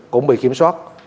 cũng bị kiểm soát